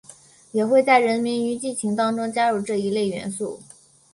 也会在人名与剧情当中加入这一类元素。